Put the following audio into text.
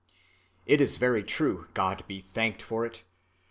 It is very true—God be thanked for it.